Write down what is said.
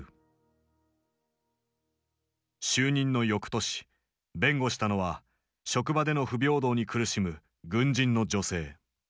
就任のよくとし弁護したのは職場での不平等に苦しむ軍人の女性。